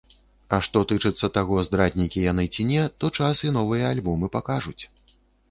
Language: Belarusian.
А што тычыцца таго, здраднікі яны ці не, то час і новыя альбомы пакажуць.